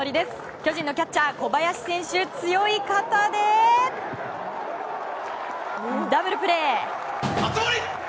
巨人のキャッチャー小林選手、強い肩でダブルプレー！